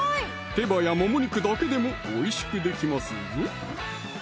手羽やもも肉だけでもおいしくできますぞ